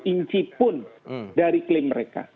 inci pun dari klaim mereka